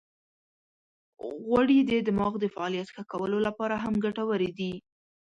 غوړې د دماغ د فعالیت ښه کولو لپاره هم ګټورې دي.